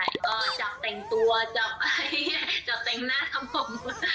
ก็จับแต่งตัวจับแต่งหน้าครับผม